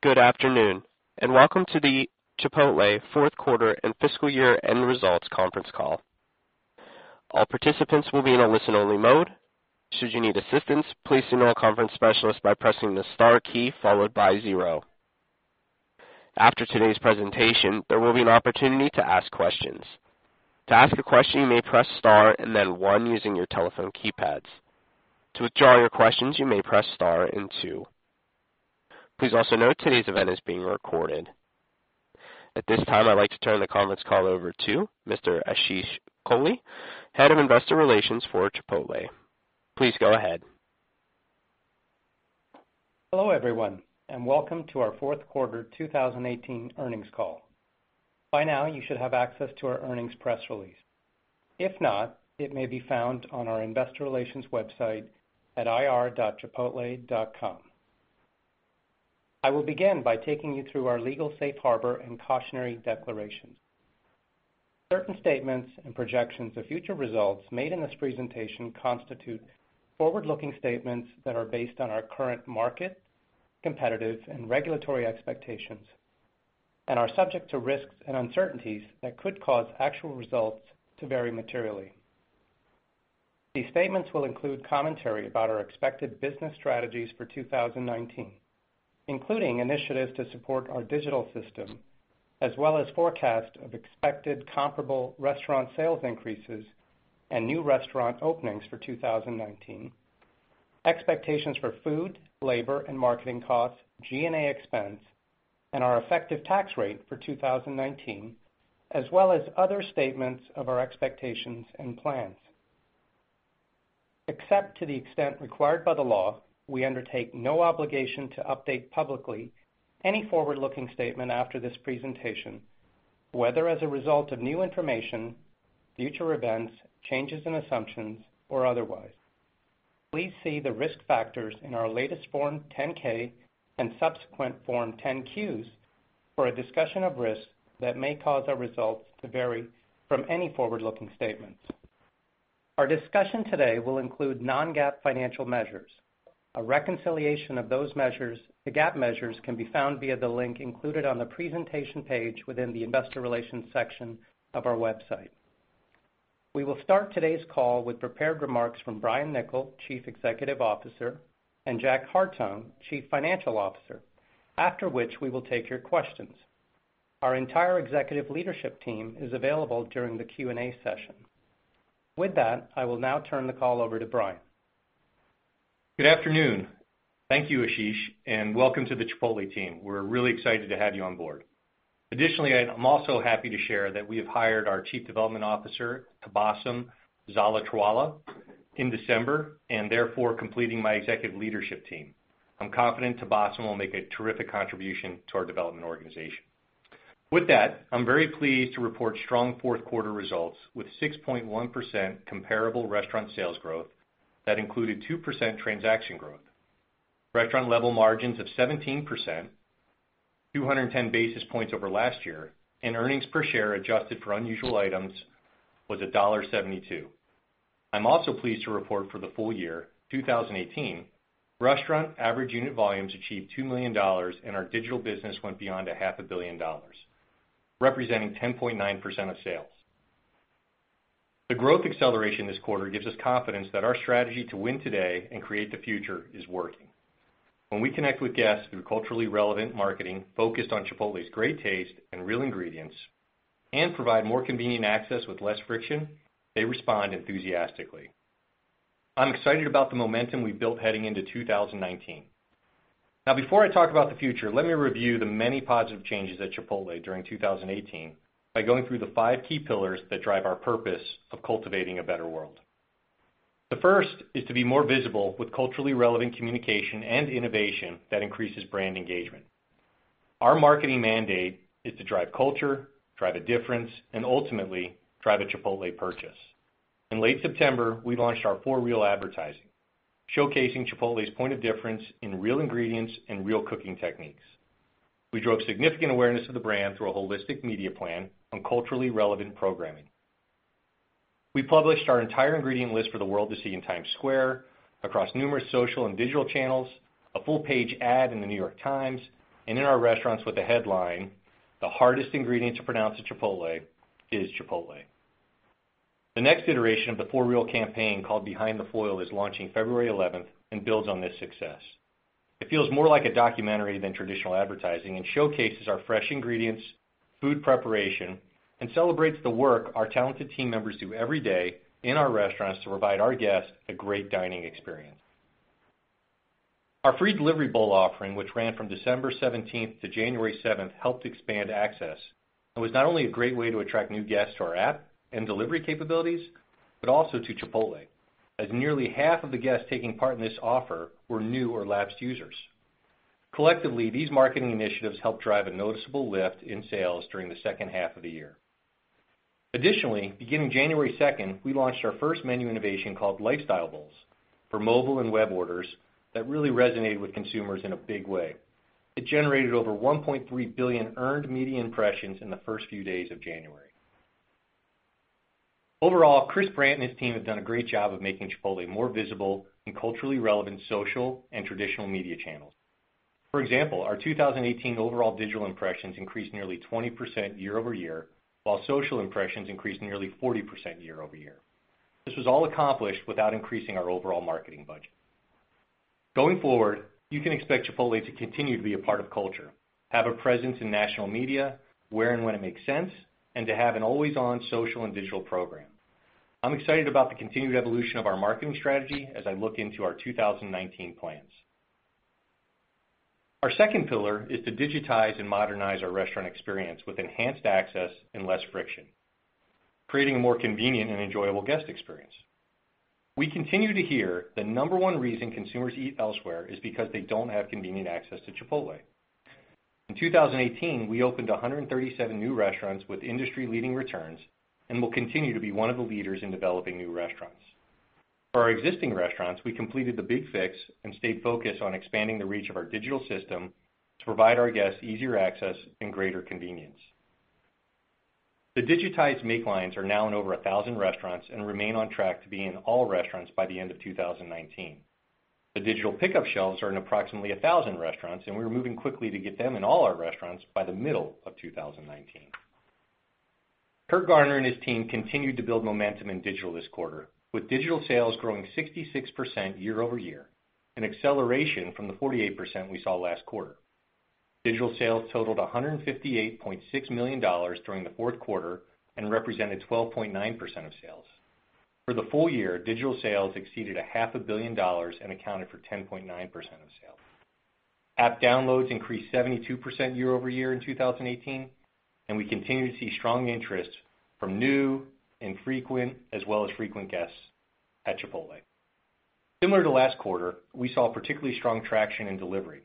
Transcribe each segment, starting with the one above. Good afternoon, and welcome to the Chipotle fourth quarter and fiscal year-end results conference call. All participants will be in a listen-only mode. Should you need assistance, please email a conference specialist by pressing the star key followed by zero. After today's presentation, there will be an opportunity to ask questions. To ask a question, you may press star and then one using your telephone keypads. To withdraw your questions, you may press star and two. Please also note today's event is being recorded. At this time, I'd like to turn the conference call over to Mr. Ashish Kohli, Head of Investor Relations for Chipotle. Please go ahead. Hello, everyone, and welcome to our fourth quarter 2018 earnings call. By now, you should have access to our earnings press release. If not, it may be found on our investor relations website at ir.chipotle.com. I will begin by taking you through our legal safe harbor and cautionary declarations. Certain statements and projections of future results made in this presentation constitute forward-looking statements that are based on our current market, competitive, and regulatory expectations and are subject to risks and uncertainties that could cause actual results to vary materially. These statements will include commentary about our expected business strategies for 2019, including initiatives to support our digital system, as well as forecast of expected comparable restaurant sales increases and new restaurant openings for 2019, expectations for food, labor, and marketing costs, G&A expense, and our effective tax rate for 2019, as well as other statements of our expectations and plans. Except to the extent required by the law, we undertake no obligation to update publicly any forward-looking statement after this presentation, whether as a result of new information, future events, changes in assumptions, or otherwise. Please see the risk factors in our latest Form 10-K and subsequent Form 10-Qs for a discussion of risks that may cause our results to vary from any forward-looking statements. Our discussion today will include non-GAAP financial measures. A reconciliation of those measures to GAAP measures can be found via the link included on the presentation page within the investor relations section of our website. We will start today's call with prepared remarks from Brian Niccol, Chief Executive Officer, and Jack Hartung, Chief Financial Officer, after which we will take your questions. Our entire executive leadership team is available during the Q&A session. With that, I will now turn the call over to Brian. Good afternoon. Thank you, Ashish, and welcome to the Chipotle team. Additionally, I'm also happy to share that we have hired our Chief Development Officer, Tabassum Zalotrawala, in December and therefore completing my executive leadership team. I'm confident Tabassum will make a terrific contribution to our development organization. With that, I'm very pleased to report strong fourth quarter results with 6.1% comparable restaurant sales growth that included 2% transaction growth, restaurant-level margins of 17%, 210 basis points over last year, and earnings per share adjusted for unusual items was $1.72. I'm also pleased to report for the full year 2018, restaurant average unit volumes achieved $2 million, and our digital business went beyond a $500 million, representing 10.9% of sales. The growth acceleration this quarter gives us confidence that our strategy to win today and create the future is working. When we connect with guests through culturally relevant marketing focused on Chipotle's great taste and real ingredients and provide more convenient access with less friction, they respond enthusiastically. I'm excited about the momentum we've built heading into 2019. Before I talk about the future, let me review the many positive changes at Chipotle during 2018 by going through the five key pillars that drive our purpose of cultivating a better world. The first is to be more visible with culturally relevant communication and innovation that increases brand engagement. Our marketing mandate is to drive culture, drive a difference, and ultimately drive a Chipotle purchase. In late September, we launched our "For Real" advertising, showcasing Chipotle's point of difference in real ingredients and real cooking techniques. We drove significant awareness of the brand through a holistic media plan on culturally relevant programming. We published our entire ingredient list for the world to see in Times Square, across numerous social and digital channels, a full-page ad in The New York Times, and in our restaurants with the headline, "The hardest ingredient to pronounce at Chipotle is Chipotle." The next iteration of the "For Real" campaign, called Behind the Foil, is launching February 11th and builds on this success. It feels more like a documentary than traditional advertising and showcases our fresh ingredients, food preparation, and celebrates the work our talented team members do every day in our restaurants to provide our guests a great dining experience. Our Free Delivery Bowl offering, which ran from December 17th to January 7th, helped expand access and was not only a great way to attract new guests to our app and delivery capabilities, but also to Chipotle, as nearly half of the guests taking part in this offer were new or lapsed users. Collectively, these marketing initiatives helped drive a noticeable lift in sales during the second half of the year. Additionally, beginning January 2nd, we launched our first menu innovation called Lifestyle Bowls for mobile and web orders that really resonated with consumers in a big way. It generated over 1.3 billion earned media impressions in the first few days of January. Overall, Chris Brandt and his team have done a great job of making Chipotle more visible in culturally relevant social and traditional media channels. For example, our 2018 overall digital impressions increased nearly 20% year-over-year, while social impressions increased nearly 40% year-over-year. This was all accomplished without increasing our overall marketing budget. Going forward, you can expect Chipotle to continue to be a part of culture, have a presence in national media where and when it makes sense, and to have an always-on social and digital program. I'm excited about the continued evolution of our marketing strategy as I look into our 2019 plans. Our second pillar is to digitize and modernize our restaurant experience with enhanced access and less friction, creating a more convenient and enjoyable guest experience. We continue to hear the number one reason consumers eat elsewhere is because they don't have convenient access to Chipotle. In 2018, we opened 137 new restaurants with industry-leading returns and will continue to be one of the leaders in developing new restaurants. For our existing restaurants, we completed the Big Fix and stayed focused on expanding the reach of our digital system to provide our guests easier access and greater convenience. The digitized make lines are now in over 1,000 restaurants and remain on track to be in all restaurants by the end of 2019. The digital pickup shelves are in approximately 1,000 restaurants, and we're moving quickly to get them in all our restaurants by the middle of 2019. Curt Garner and his team continued to build momentum in digital this quarter, with digital sales growing 66% year-over-year, an acceleration from the 48% we saw last quarter. Digital sales totaled $158.6 million during the fourth quarter and represented 12.9% of sales. For the full year, digital sales exceeded $500 million and accounted for 10.9% of sales. App downloads increased 72% year-over-year in 2018, and we continue to see strong interest from new, infrequent, as well as frequent guests at Chipotle. Similar to last quarter, we saw particularly strong traction in delivery.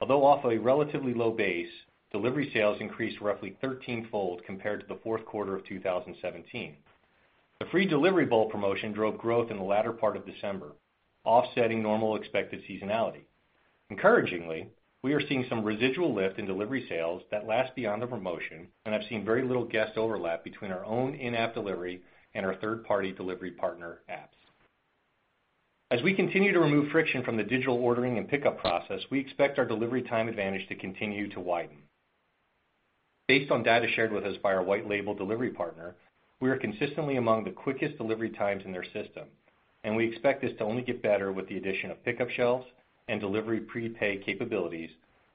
Although off a relatively low base, delivery sales increased roughly thirteenfold compared to the fourth quarter of 2017. The Free Delivery Bowl promotion drove growth in the latter part of December, offsetting normal expected seasonality. Encouragingly, we are seeing some residual lift in delivery sales that last beyond the promotion, and I've seen very little guest overlap between our own in-app delivery and our third-party delivery partner apps. As we continue to remove friction from the digital ordering and pickup process, we expect our delivery time advantage to continue to widen. Based on data shared with us by our white label delivery partner, we are consistently among the quickest delivery times in their system, and we expect this to only get better with the addition of pickup shelves and delivery prepay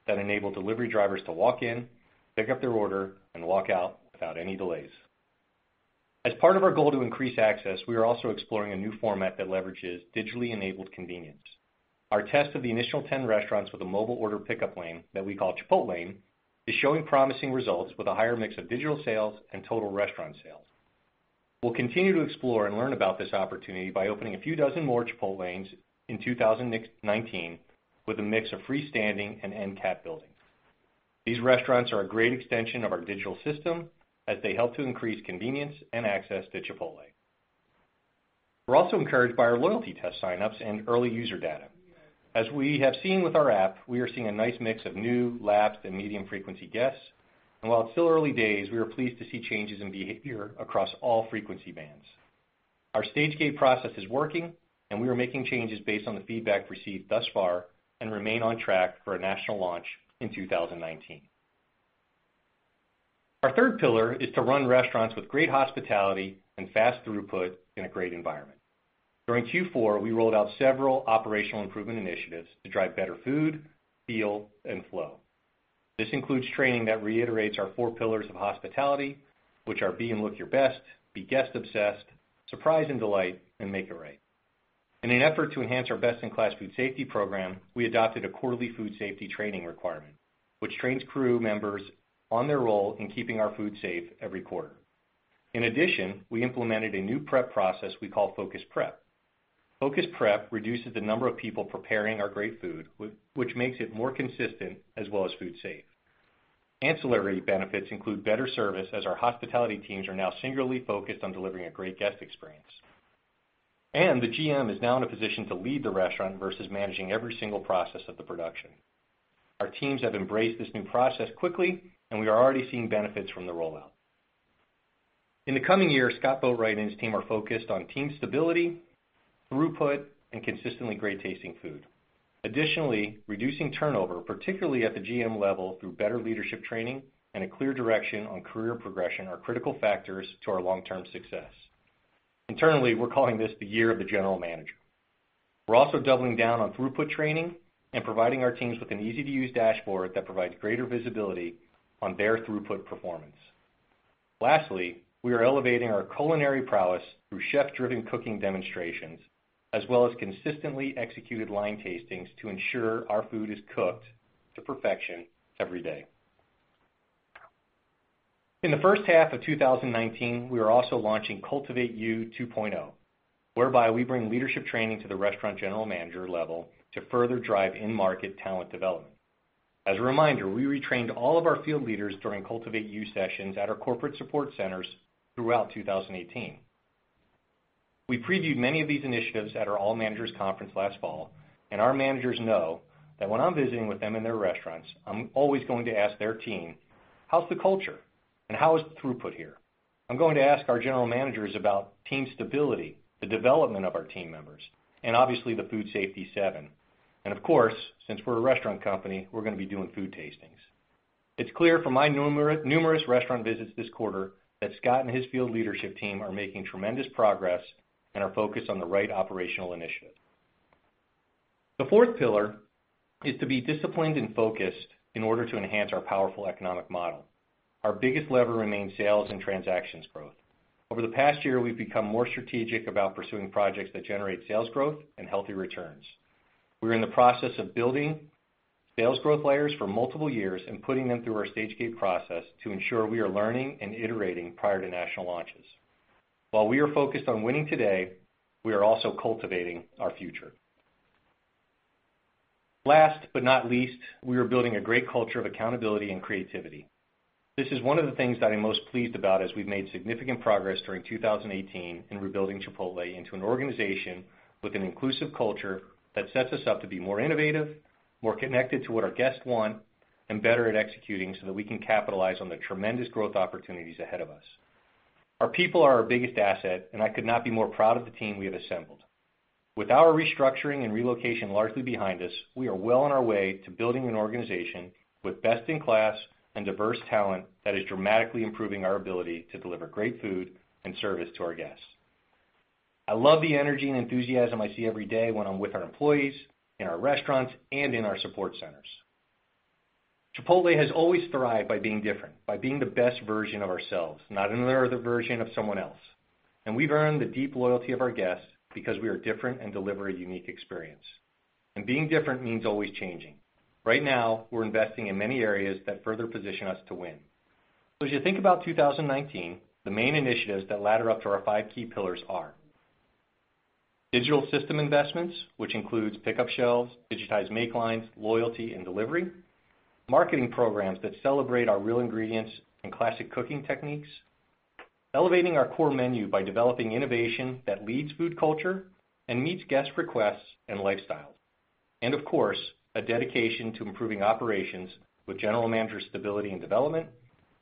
capabilities that enable delivery drivers to walk in, pick up their order, and walk out without any delays. As part of our goal to increase access, we are also exploring a new format that leverages digitally enabled convenience. Our test of the initial 10 restaurants with a mobile order pickup lane, that we call Chipotlane, is showing promising results with a higher mix of digital sales and total restaurant sales. We'll continue to explore and learn about this opportunity by opening a few dozen more Chipotlanes in 2019 with a mix of freestanding and end-cap buildings. These restaurants are a great extension of our digital system as they help to increase convenience and access to Chipotle. We're also encouraged by our loyalty test sign-ups and early user data. As we have seen with our app, we are seeing a nice mix of new, lapsed, and medium-frequency guests. While it's still early days, we are pleased to see changes in behavior across all frequency bands. Our stage gate process is working, and we are making changes based on the feedback received thus far and remain on track for a national launch in 2019. Our third pillar is to run restaurants with great hospitality and fast throughput in a great environment. During Q4, we rolled out several operational improvement initiatives to drive better food, feel, and flow. This includes training that reiterates our four pillars of hospitality, which are be and look your best, be guest obsessed, surprise and delight, and make it right. In an effort to enhance our best-in-class food safety program, we adopted a quarterly food safety training requirement, which trains crew members on their role in keeping our food safe every quarter. In addition, we implemented a new prep process we call Focus Prep. Focus Prep reduces the number of people preparing our great food, which makes it more consistent as well as food safe. Ancillary benefits include better service as our hospitality teams are now singularly focused on delivering a great guest experience. The GM is now in a position to lead the restaurant versus managing every single process of the production. Our teams have embraced this new process quickly, and we are already seeing benefits from the rollout. In the coming year, Scott Boatwright and his team are focused on team stability, throughput, and consistently great-tasting food. Additionally, reducing turnover, particularly at the GM level, through better leadership training and a clear direction on career progression are critical factors to our long-term success. Internally, we're calling this the year of the general manager. We're also doubling down on throughput training and providing our teams with an easy-to-use dashboard that provides greater visibility on their throughput performance. Lastly, we are elevating our culinary prowess through chef-driven cooking demonstrations as well as consistently executed line tastings to ensure our food is cooked to perfection every day. In the first half of 2019, we are also launching Cultivate U 2.0, whereby we bring leadership training to the restaurant general manager level to further drive in-market talent development. As a reminder, we retrained all of our field leaders during Cultivate U sessions at our corporate support centers throughout 2018. We previewed many of these initiatives at our All Managers' Conference last fall, and our managers know that when I'm visiting with them in their restaurants, I'm always going to ask their team, "How's the culture? How is throughput here?" I'm going to ask our general managers about team stability, the development of our team members, and obviously the Food Safety Seven. Of course, since we're a restaurant company, we're going to be doing food tastings. It's clear from my numerous restaurant visits this quarter that Scott and his field leadership team are making tremendous progress and are focused on the right operational initiatives. The fourth pillar is to be disciplined and focused in order to enhance our powerful economic model. Our biggest lever remains sales and transactions growth. Over the past year, we've become more strategic about pursuing projects that generate sales growth and healthy returns. We're in the process of building sales growth layers for multiple years and putting them through our stage gate process to ensure we are learning and iterating prior to national launches. While we are focused on winning today, we are also cultivating our future. Last but not least, we are building a great culture of accountability and creativity. This is one of the things that I'm most pleased about as we've made significant progress during 2018 in rebuilding Chipotle into an organization with an inclusive culture that sets us up to be more innovative, more connected to what our guests want, and better at executing so that we can capitalize on the tremendous growth opportunities ahead of us. Our people are our biggest asset. I could not be more proud of the team we have assembled. With our restructuring and relocation largely behind us, we are well on our way to building an organization with best-in-class and diverse talent that is dramatically improving our ability to deliver great food and service to our guests. I love the energy and enthusiasm I see every day when I'm with our employees, in our restaurants, and in our support centers. Chipotle has always thrived by being different, by being the best version of ourselves, not another version of someone else. We've earned the deep loyalty of our guests because we are different and deliver a unique experience. Being different means always changing. Right now, we're investing in many areas that further position us to win. As you think about 2019, the main initiatives that ladder up to our five key pillars are digital system investments, which includes pickup shelves, digitized make lines, loyalty, and delivery, marketing programs that celebrate our real ingredients and classic cooking techniques, elevating our core menu by developing innovation that leads food culture and meets guest requests and lifestyle. Of course, a dedication to improving operations with general manager stability and development,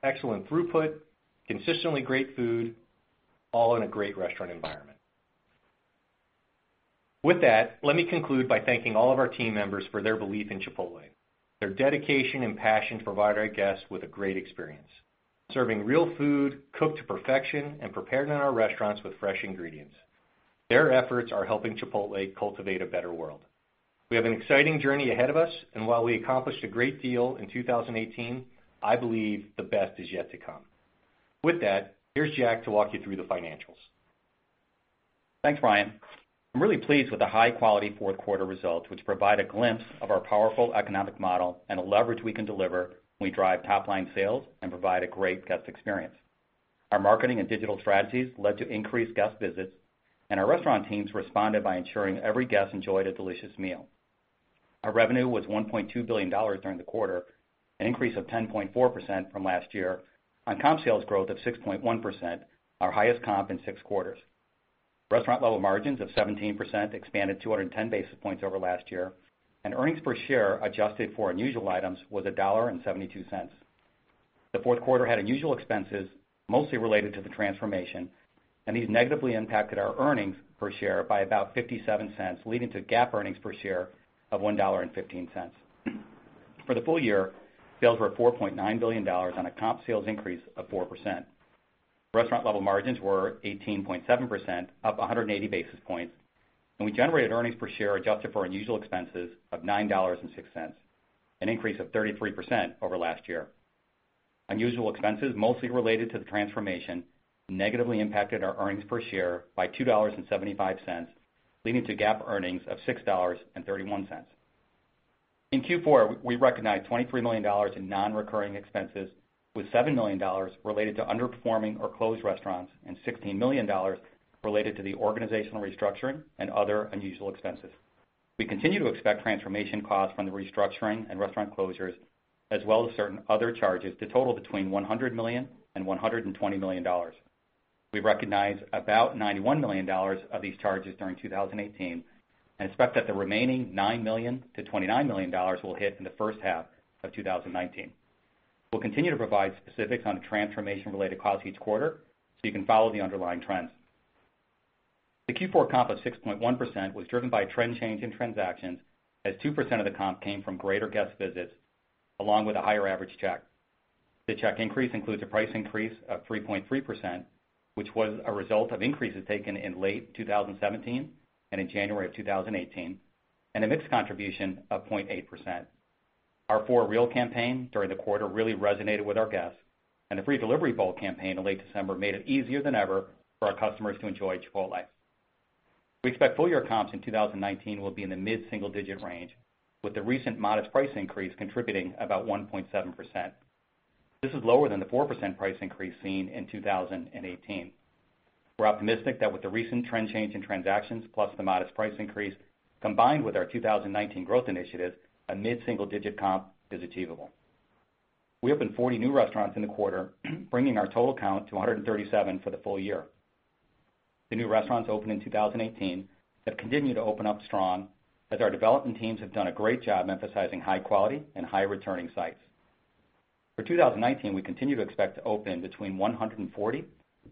excellent throughput, consistently great food, all in a great restaurant environment. With that, let me conclude by thanking all of our team members for their belief in Chipotle, their dedication and passion to provide our guests with a great experience, serving real food cooked to perfection and prepared in our restaurants with fresh ingredients. Their efforts are helping Chipotle cultivate a better world. We have an exciting journey ahead of us, and while we accomplished a great deal in 2018, I believe the best is yet to come. With that, here's Jack to walk you through the financials. Thanks, Brian. I'm really pleased with the high-quality fourth quarter results, which provide a glimpse of our powerful economic model and the leverage we can deliver when we drive top-line sales and provide a great guest experience. Our marketing and digital strategies led to increased guest visits, and our restaurant teams responded by ensuring every guest enjoyed a delicious meal. Our revenue was $1.2 billion during the quarter, an increase of 10.4% from last year on comp sales growth of 6.1%, our highest comp in six quarters. Restaurant level margins of 17% expanded 210 basis points over last year, and earnings per share adjusted for unusual items was $1.72. The fourth quarter had unusual expenses, mostly related to the transformation, and these negatively impacted our earnings per share by about $0.57, leading to GAAP earnings per share of $1.15. For the full year, sales were at $4.9 billion on a comp sales increase of 4%. Restaurant level margins were 18.7%, up 180 basis points, and we generated earnings per share adjusted for unusual expenses of $9.06, an increase of 33% over last year. Unusual expenses mostly related to the transformation negatively impacted our earnings per share by $2.75, leading to GAAP earnings of $6.31. In Q4, we recognized $23 million in non-recurring expenses, with $7 million related to underperforming or closed restaurants and $16 million related to the organizational restructuring and other unusual expenses. We continue to expect transformation costs from the restructuring and restaurant closures, as well as certain other charges, to total between $100 million and $120 million. We've recognized about $91 million of these charges during 2018 and expect that the remaining $9 million-$29 million will hit in the first half of 2019. We'll continue to provide specifics on transformation-related costs each quarter so you can follow the underlying trends. The Q4 comp of 6.1% was driven by a trend change in transactions as 2% of the comp came from greater guest visits along with a higher average check. The check increase includes a price increase of 3.3%, which was a result of increases taken in late 2017 and in January of 2018, and a mix contribution of 0.8%. Our For Real campaign during the quarter really resonated with our guests, and the Free Delivery Bowl campaign in late December made it easier than ever for our customers to enjoy Chipotle. We expect full-year comps in 2019 will be in the mid-single digit range, with the recent modest price increase contributing about 1.7%. This is lower than the 4% price increase seen in 2018. We're optimistic that with the recent trend change in transactions, plus the modest price increase, combined with our 2019 growth initiatives, a mid-single digit comp is achievable. We opened 40 new restaurants in the quarter, bringing our total count to 137 for the full year. The new restaurants opened in 2018 have continued to open up strong, as our development teams have done a great job emphasizing high quality and high returning sites. For 2019, we continue to expect to open between 140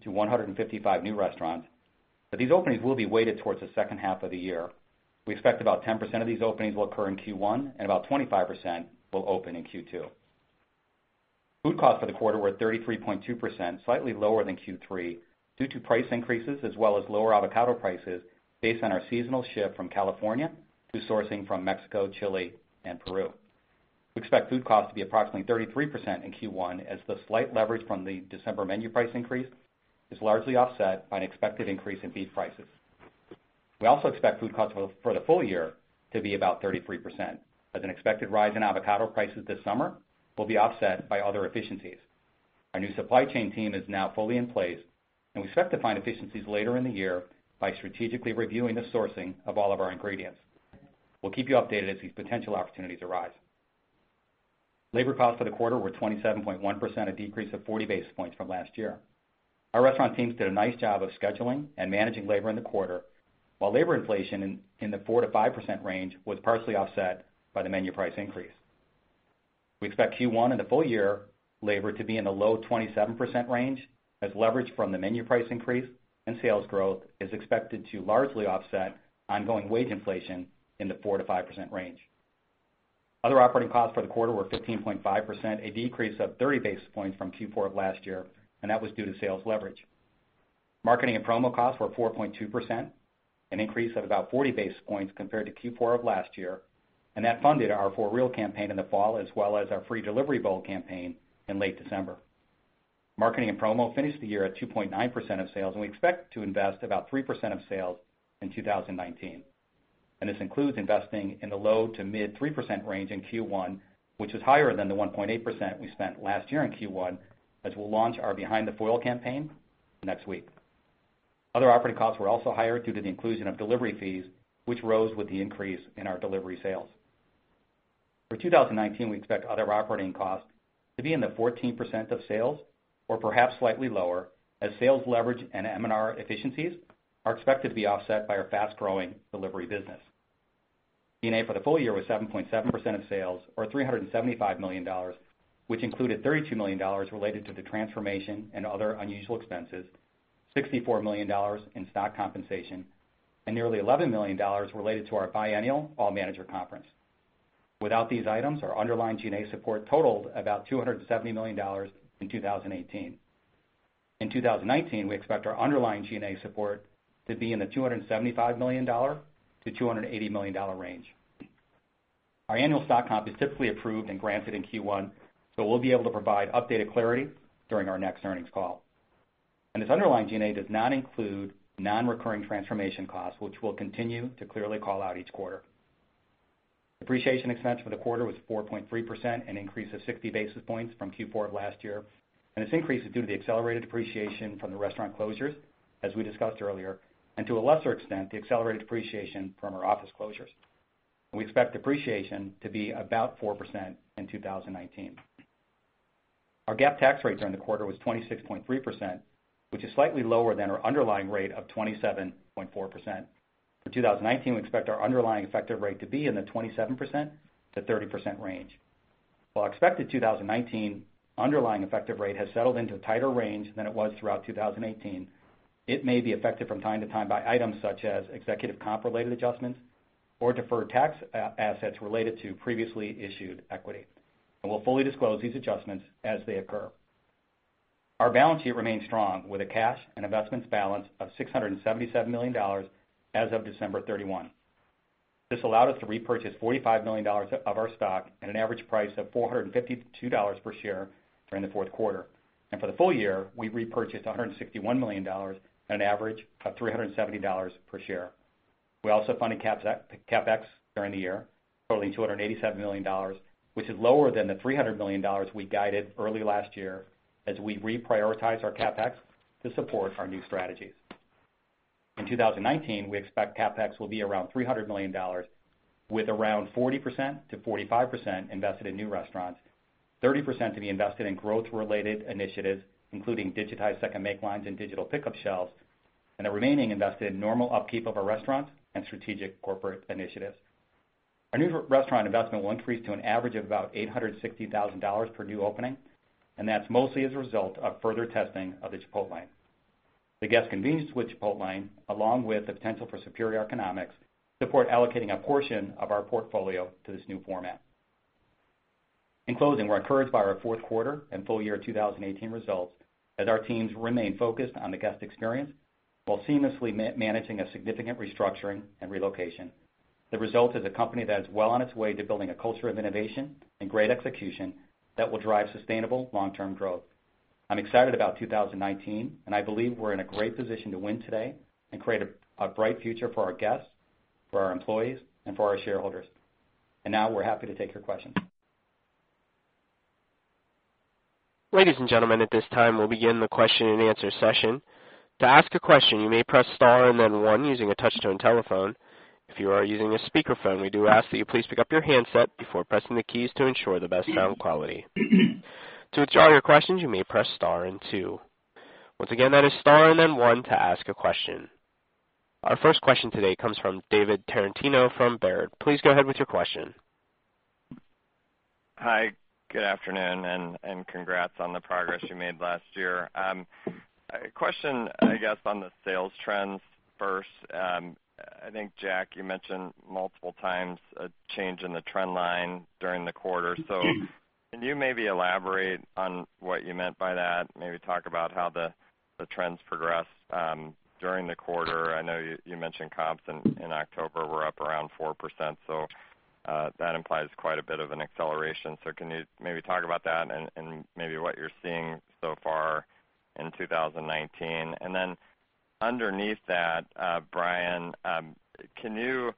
to 155 new restaurants, but these openings will be weighted towards the second half of the year. We expect about 10% of these openings will occur in Q1, and about 25% will open in Q2. Food costs for the quarter were 33.2%, slightly lower than Q3, due to price increases as well as lower avocado prices based on our seasonal shift from California to sourcing from Mexico, Chile, and Peru. We expect food costs to be approximately 33% in Q1, as the slight leverage from the December menu price increase is largely offset by an expected increase in beef prices. We also expect food costs for the full year to be about 33%, as an expected rise in avocado prices this summer will be offset by other efficiencies. Our new supply chain team is now fully in place, and we expect to find efficiencies later in the year by strategically reviewing the sourcing of all of our ingredients. We'll keep you updated as these potential opportunities arise. Labor costs for the quarter were 27.1%, a decrease of 40 basis points from last year. Our restaurant teams did a nice job of scheduling and managing labor in the quarter, while labor inflation in the 4%-5% range was partially offset by the menu price increase. We expect Q1 and the full year labor to be in the low 27% range, as leverage from the menu price increase and sales growth is expected to largely offset ongoing wage inflation in the 4%-5% range. Other operating costs for the quarter were 15.5%, a decrease of 30 basis points from Q4 of last year. That was due to sales leverage. Marketing and promo costs were 4.2%, an increase of about 40 basis points compared to Q4 of last year. That funded our For Real campaign in the fall, as well as our Free Delivery Bowl campaign in late December. Marketing and promo finished the year at 2.9% of sales. We expect to invest about 3% of sales in 2019. This includes investing in the low to mid 3% range in Q1, which is higher than the 1.8% we spent last year in Q1, as we'll launch our Behind the Foil campaign next week. Other operating costs were also higher due to the inclusion of delivery fees, which rose with the increase in our delivery sales. For 2019, we expect other operating costs to be in the 14% of sales or perhaps slightly lower, as sales leverage and M&R efficiencies are expected to be offset by our fast-growing delivery business. G&A for the full year was 7.7% of sales, or $375 million, which included $32 million related to the transformation and other unusual expenses, $64 million in stock compensation, and nearly $11 million related to our biannual All Managers' Conference. Without these items, our underlying G&A support totaled about $270 million in 2018. In 2019, we expect our underlying G&A support to be in the $275 million-$280 million range. Our annual stock comp is typically approved and granted in Q1, so we'll be able to provide updated clarity during our next earnings call. This underlying G&A does not include non-recurring transformation costs, which we'll continue to clearly call out each quarter. Depreciation expense for the quarter was 4.3%, an increase of 60 basis points from Q4 of last year. This increase is due to the accelerated depreciation from the restaurant closures, as we discussed earlier, and to a lesser extent, the accelerated depreciation from our office closures. We expect depreciation to be about 4% in 2019. Our GAAP tax rate during the quarter was 26.3%, which is slightly lower than our underlying rate of 27.4%. For 2019, we expect our underlying effective rate to be in the 27%-30% range. While expected 2019 underlying effective rate has settled into a tighter range than it was throughout 2018, it may be affected from time to time by items such as executive comp related adjustments or deferred tax assets related to previously issued equity. We'll fully disclose these adjustments as they occur. Our balance sheet remains strong, with a cash and investments balance of $677 million as of December 31. This allowed us to repurchase $45 million of our stock at an average price of $452 per share during the fourth quarter. For the full year, we repurchased $161 million at an average of $370 per share. We also funded CapEx during the year, totaling $287 million, which is lower than the $300 million we guided early last year as we reprioritized our CapEx to support our new strategies. In 2019, we expect CapEx will be around $300 million, with around 40%-45% invested in new restaurants, 30% to be invested in growth-related initiatives, including digitized second make lines and digital pickup shelves, and the remaining invested in normal upkeep of our restaurants and strategic corporate initiatives. Our new restaurant investment will increase to an average of about $860,000 per new opening. That's mostly as a result of further testing of the Chipotlane. The guest convenience with Chipotlane, along with the potential for superior economics, support allocating a portion of our portfolio to this new format. In closing, we're encouraged by our fourth quarter and full year 2018 results as our teams remain focused on the guest experience while seamlessly managing a significant restructuring and relocation. The result is a company that is well on its way to building a culture of innovation and great execution that will drive sustainable long-term growth. I'm excited about 2019, and I believe we're in a great position to win today and create a bright future for our guests, for our employees, and for our shareholders. Now we're happy to take your questions. Ladies and gentlemen, at this time, we'll begin the question-and-answer session. To ask a question, you may press star and then one using a touchtone telephone. If you are using a speakerphone, we do ask that you please pick up your handset before pressing the keys to ensure the best sound quality. To withdraw your questions, you may press star and two. Once again, that is star and then one to ask a question. Our first question today comes from David Tarantino from Baird. Please go ahead with your question. Hi, good afternoon. Congrats on the progress you made last year. A question, I guess, on the sales trends first. I think, Jack, you mentioned multiple times a change in the trend line during the quarter. Can you maybe elaborate on what you meant by that? Maybe talk about how the trends progressed during the quarter. I know you mentioned comps in October were up around 4%. That implies quite a bit of an acceleration. Can you maybe talk about that and maybe what you're seeing so far in 2019? Then underneath that, Brian, can you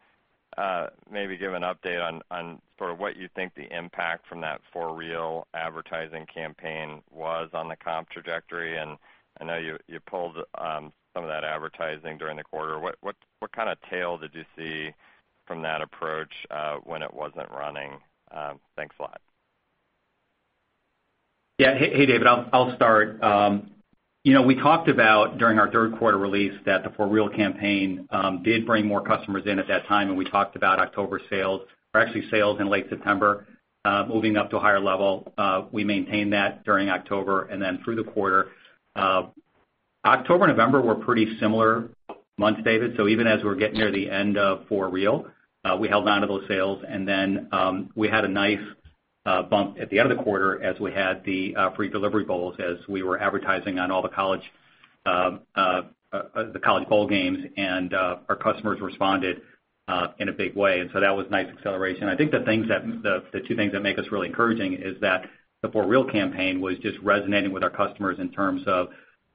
maybe give an update on what you think the impact from that For Real advertising campaign was on the comp trajectory? I know you pulled some of that advertising during the quarter. What kind of tail did you see from that approach when it wasn't running? Thanks a lot. Hey, David. I'll start. We talked about, during our third quarter release, that the For Real campaign did bring more customers in at that time. We talked about October sales or actually sales in late September, moving up to a higher level. We maintained that during October and then through the quarter. October, November were pretty similar months, David. Even as we're getting near the end of For Real, we held onto those sales. Then we had a nice bump at the end of the quarter as we had the Free Delivery Bowls, as we were advertising on all the college bowl games, and our customers responded in a big way. That was nice acceleration. I think the two things that make us really encouraging is that the For Real campaign was just resonating with our customers in terms of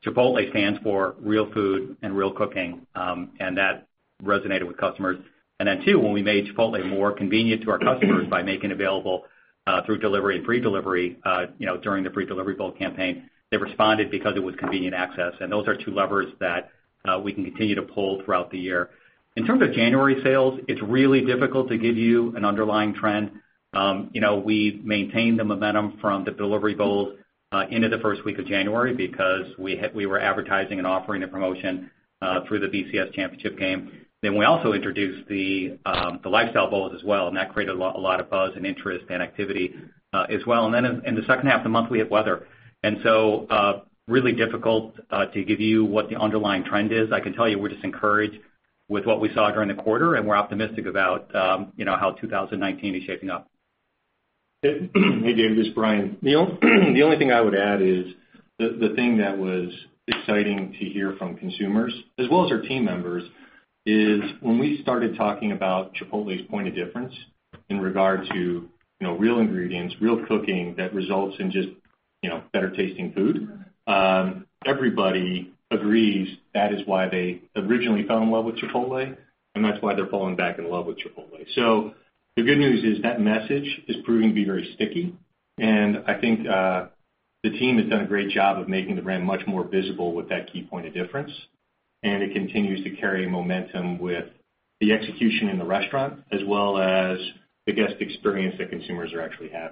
Chipotle stands for real food and real cooking. That resonated with customers. When we made Chipotle more convenient to our customers by making available through delivery and free delivery during the Free Delivery Bowl campaign, they responded because it was convenient access, and those are two levers that we can continue to pull throughout the year. In terms of January sales, it's really difficult to give you an underlying trend. We've maintained the momentum from the delivery bowls into the first week of January because we were advertising and offering a promotion through the BCS championship game. We also introduced the Lifestyle Bowls as well, and that created a lot of buzz and interest and activity as well. In the second half of the month, we hit weather. Really difficult to give you what the underlying trend is. I can tell you we're just encouraged with what we saw during the quarter, and we're optimistic about how 2019 is shaping up. Hey, David, this is Brian Niccol. The only thing I would add is the thing that was exciting to hear from consumers as well as our team members is when we started talking about Chipotle's point of difference in regard to real ingredients, real cooking that results in just better tasting food. Everybody agrees that is why they originally fell in love with Chipotle, and that's why they're falling back in love with Chipotle. The good news is that message is proving to be very sticky, and I think the team has done a great job of making the brand much more visible with that key point of difference. It continues to carry momentum with the execution in the restaurant as well as the guest experience that consumers are actually having.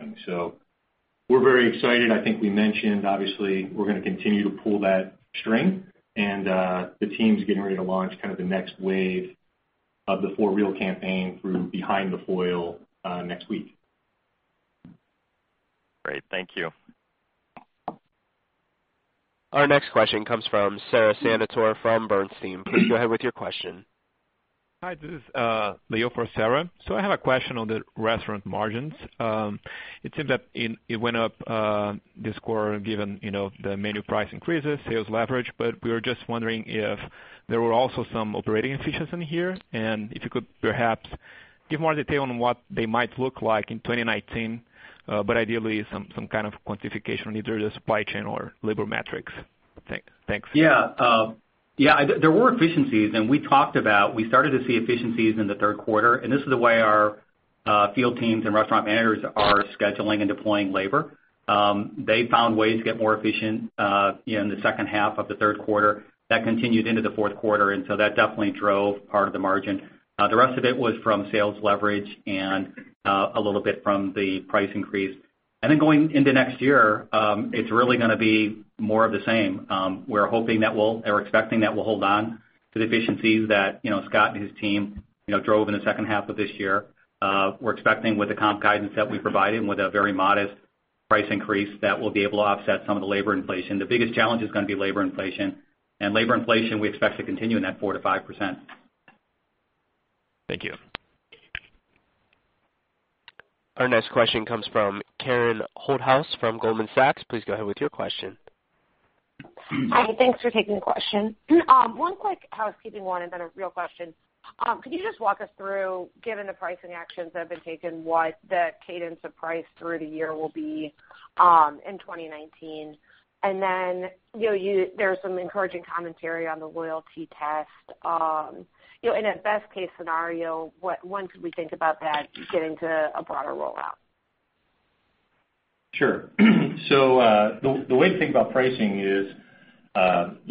We're very excited. I think we mentioned, obviously, we're going to continue to pull that string. The team's getting ready to launch the next wave of the For Real campaign through Behind the Foil next week. Great. Thank you. Our next question comes from Sara Senatore from Bernstein. Please go ahead with your question. Hi, this is Leo for Sara. I have a question on the restaurant margins. It seems that it went up this quarter given the menu price increases, sales leverage. We were just wondering if there were also some operating efficiencies in here, and if you could perhaps give more detail on what they might look like in 2019, but ideally some kind of quantification, either the supply chain or labor metrics. Thanks. Yeah. There were efficiencies. We started to see efficiencies in the third quarter. This is the way our field teams and restaurant managers are scheduling and deploying labor. They found ways to get more efficient in the second half of the third quarter. That continued into the fourth quarter. That definitely drove part of the margin. The rest of it was from sales leverage and a little bit from the price increase. Going into next year, it's really going to be more of the same. We're hoping that we'll, or expecting that we'll hold on to the efficiencies that Scott and his team drove in the second half of this year. We're expecting with the comp guidance that we provided with a very modest price increase that we'll be able to offset some of the labor inflation. The biggest challenge is going to be labor inflation. Labor inflation we expect to continue in that 4%-5%. Thank you. Our next question comes from Karen Holthouse from Goldman Sachs. Please go ahead with your question. Hi. Thanks for taking the question. One quick housekeeping one and then a real question. Could you just walk us through, given the pricing actions that have been taken, what the cadence of price through the year will be in 2019? Then there's some encouraging commentary on the loyalty test. In a best case scenario, when could we think about that getting to a broader rollout? The way to think about pricing is,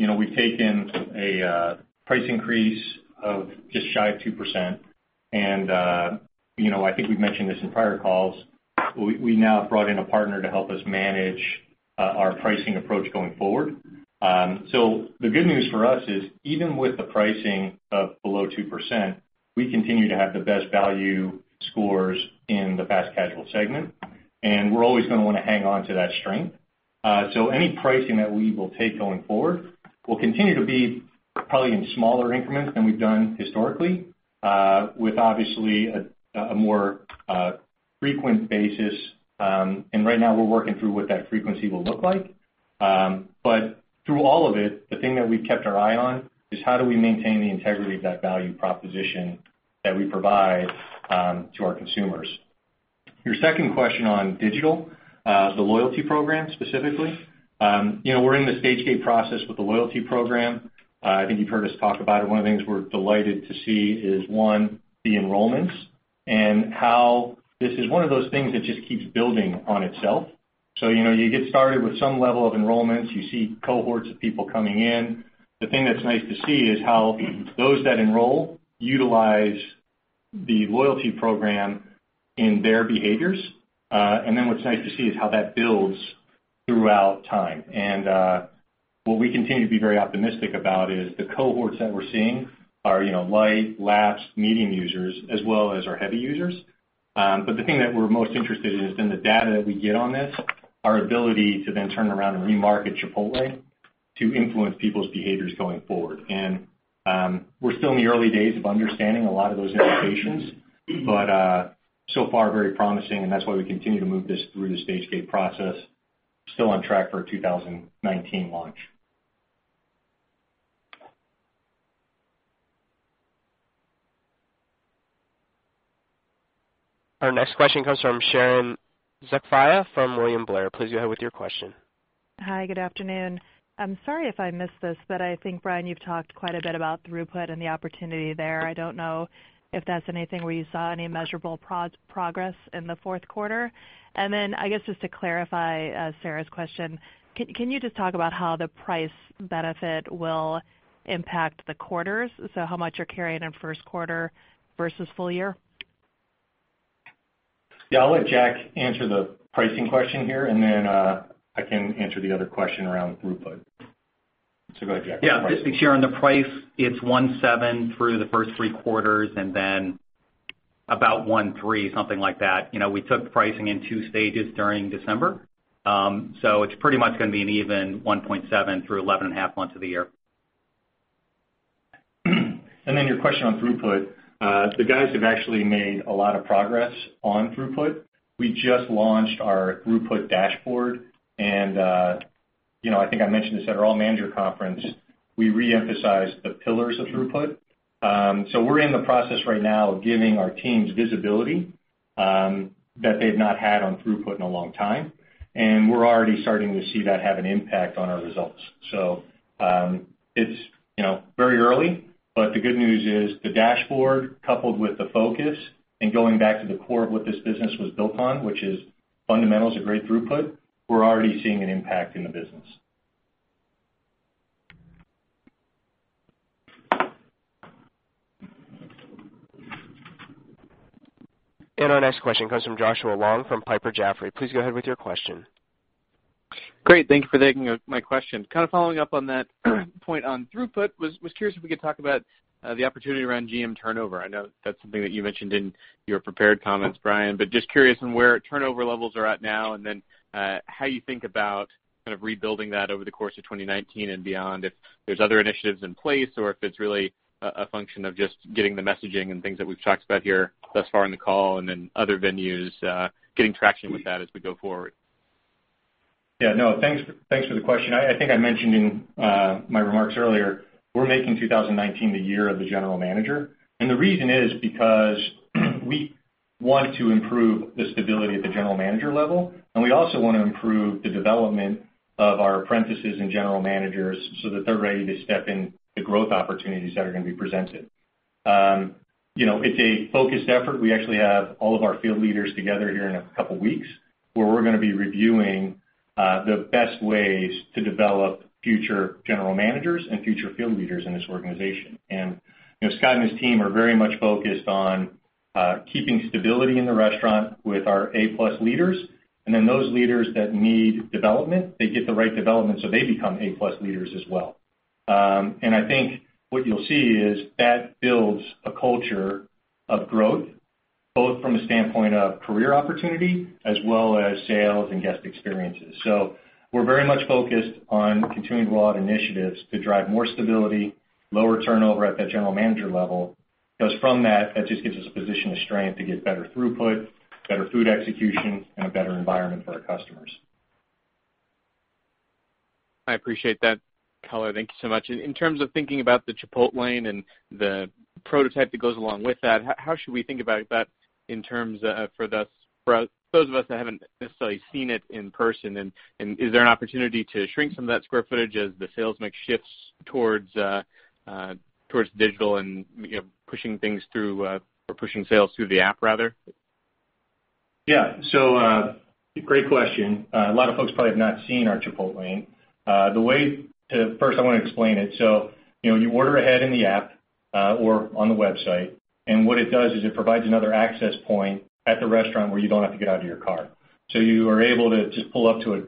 we've taken a price increase of just shy of 2%. I think we've mentioned this in prior calls. We now have brought in a partner to help us manage our pricing approach going forward. The good news for us is even with the pricing of below 2%, we continue to have the best value scores in the fast casual segment. We're always going to want to hang on to that strength. Any pricing that we will take going forward will continue to be probably in smaller increments than we've done historically, with obviously a more frequent basis. Right now, we're working through what that frequency will look like. Through all of it, the thing that we've kept our eye on is how do we maintain the integrity of that value proposition that we provide to our consumers. Your second question on digital, the loyalty program specifically. We're in the stage gate process with the loyalty program. I think you've heard us talk about it. One of the things we're delighted to see is, one, the enrollments and how this is one of those things that just keeps building on itself. You get started with some level of enrollments. You see cohorts of people coming in. The thing that's nice to see is how those that enroll utilize the loyalty program in their behaviors. What's nice to see is how that builds throughout time. What we continue to be very optimistic about is the cohorts that we're seeing are light, lapsed, medium users, as well as our heavy users. The thing that we're most interested in is in the data that we get on this, our ability to then turn around and re-market Chipotle to influence people's behaviors going forward. We're still in the early days of understanding a lot of those implications, but so far very promising, and that's why we continue to move this through the stage gate process. Still on track for a 2019 launch. Our next question comes from Sharon Zackfia from William Blair. Please go ahead with your question. Hi, good afternoon. I'm sorry if I missed this, but I think, Brian, you've talked quite a bit about throughput and the opportunity there. I don't know if that's anything where you saw any measurable progress in the fourth quarter. Then, I guess, just to clarify Sara's question, can you just talk about how the price benefit will impact the quarters? How much you're carrying in first quarter versus full year? Yeah, I'll let Jack answer the pricing question here, and then I can answer the other question around throughput. Go ahead, Jack. Yeah. Sharon, the price, it's $1.7 through the first three quarters and then about $1.3, something like that. We took pricing in two stages during December. It's pretty much going to be an even $1.7 through 11 and a half months of the year. Your question on throughput. The guys have actually made a lot of progress on throughput. We just launched our throughput dashboard, and I think I mentioned this at our All Managers' Conference, we re-emphasized the pillars of throughput. We're in the process right now of giving our teams visibility that they've not had on throughput in a long time, and we're already starting to see that have an impact on our results. It's very early, but the good news is the dashboard, coupled with the focus and going back to the core of what this business was built on, which is fundamentals of great throughput, we're already seeing an impact in the business. Our next question comes from Joshua Long from Piper Jaffray. Please go ahead with your question. Great. Thank you for taking my question. Kind of following up on that point on throughput, was curious if we could talk about the opportunity around GM turnover. I know that's something that you mentioned in your prepared comments, Brian, but just curious on where turnover levels are at now and then how you think about kind of rebuilding that over the course of 2019 and beyond, if there's other initiatives in place or if it's really a function of just getting the messaging and things that we've talked about here thus far in the call, and then other venues, getting traction with that as we go forward. No, thanks for the question. I think I mentioned in my remarks earlier, we're making 2019 the year of the general manager. The reason is because we want to improve the stability at the general manager level. We also want to improve the development of our apprentices and general managers so that they're ready to step into growth opportunities that are going to be presented. It's a focused effort. We actually have all of our field leaders together here in a couple of weeks, where we're going to be reviewing the best ways to develop future general managers and future field leaders in this organization. Scott and his team are very much focused on keeping stability in the restaurant with our A+ leaders. Those leaders that need development, they get the right development, so they become A+ leaders as well. I think what you'll see is that builds a culture of growth, both from a standpoint of career opportunity as well as sales and guest experiences. We're very much focused on continuing to roll out initiatives to drive more stability, lower turnover at that general manager level, because from that just gives us a position of strength to get better throughput, better food execution, and a better environment for our customers. I appreciate that color. Thank you so much. In terms of thinking about the Chipotlane and the prototype that goes along with that, how should we think about that in terms for those of us that haven't necessarily seen it in person? Is there an opportunity to shrink some of that square footage as the sales mix shifts towards digital and pushing sales through the app, rather? Great question. A lot of folks probably have not seen our Chipotlane. First, I want to explain it. You order ahead in the app, or on the website. What it does is it provides another access point at the restaurant where you don't have to get out of your car. You are able to just pull up to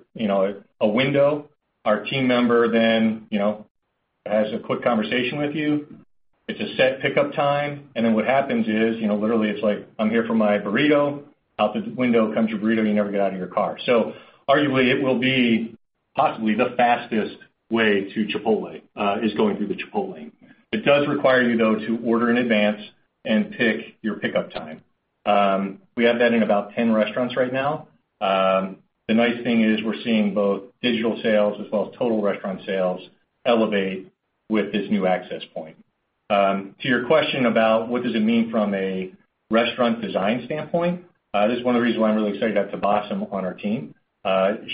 a window. Our team member then has a quick conversation with you. It's a set pickup time. What happens is, literally it's like, "I'm here for my burrito." Out the window comes your burrito. You never get out of your car. Arguably, it will be possibly the fastest way to Chipotle, is going through the Chipotlane. It does require you, though, to order in advance and pick your pickup time. We have that in about 10 restaurants right now. The nice thing is we're seeing both digital sales as well as total restaurant sales elevate with this new access point. To your question about what does it mean from a restaurant design standpoint? This is one of the reasons why I'm really excited to have Tabassum on our team.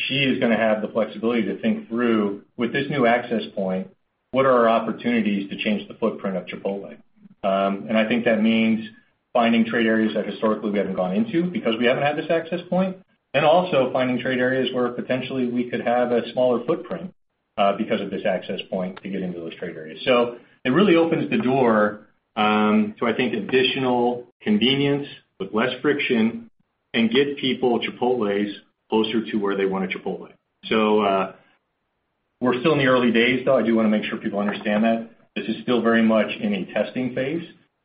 She is going to have the flexibility to think through, with this new access point, what are our opportunities to change the footprint of Chipotle? I think that means finding trade areas that historically we haven't gone into because we haven't had this access point and also finding trade areas where potentially we could have a smaller footprint, because of this access point to get into those trade areas. It really opens the door to, I think, additional convenience with less friction and get people Chipotles closer to where they want a Chipotle. We're still in the early days, though. I do want to make sure people understand that. This is still very much in a testing phase.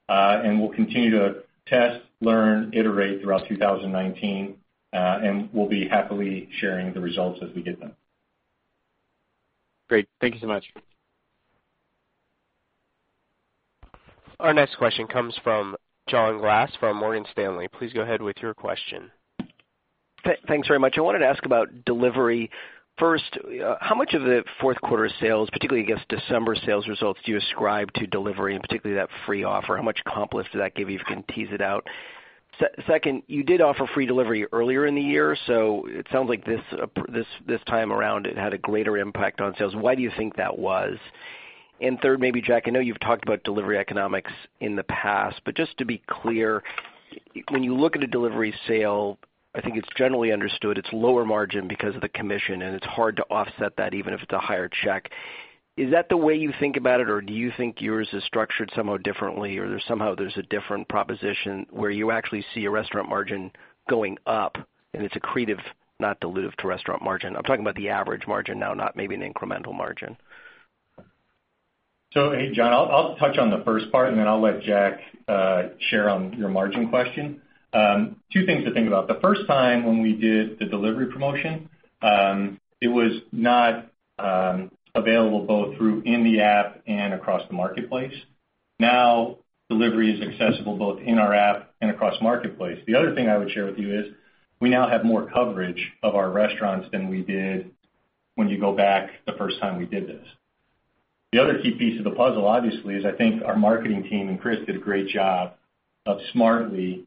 We'll continue to test, learn, iterate throughout 2019. We'll be happily sharing the results as we get them. Great. Thank you so much. Our next question comes from John Glass from Morgan Stanley. Please go ahead with your question. Thanks very much. I wanted to ask about delivery. First, how much of the fourth quarter sales, particularly against December sales results, do you ascribe to delivery and particularly that free offer? How much accomplice did that give you, if you can tease it out? Second, you did offer free delivery earlier in the year. It sounds like this time around it had a greater impact on sales. Why do you think that was? Third, maybe Jack, I know you've talked about delivery economics in the past, but just to be clear, when you look at a delivery sale, I think it's generally understood it's lower margin because of the commission, and it's hard to offset that even if it's a higher check. Is that the way you think about it, or do you think yours is structured somewhat differently, or somehow there's a different proposition where you actually see a restaurant margin going up and it's accretive, not dilutive to restaurant margin? I'm talking about the average margin now, not maybe an incremental margin. Hey, John. I'll touch on the first part, and then I'll let Jack share on your margin question. Two things to think about. The first time when we did the delivery promotion, it was not available both through in the app and across the marketplace. Now, delivery is accessible both in our app and across marketplace. The other thing I would share with you is we now have more coverage of our restaurants than we did when you go back the first time, we did this. The other key piece of the puzzle, obviously, is I think our marketing team, and Chris did a great job of smartly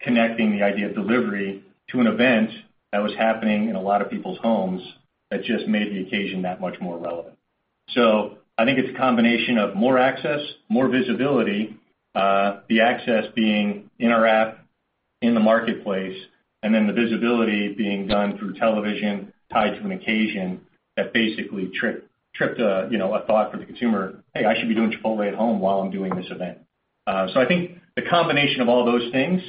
connecting the idea of delivery to an event that was happening in a lot of people's homes that just made the occasion that much more relevant. I think it's a combination of more access, more visibility, the access being in our app, in the marketplace, and then the visibility being done through television tied to an occasion that basically tripped a thought for the consumer, "Hey, I should be doing Chipotle at home while I'm doing this event." I think the combination of all those things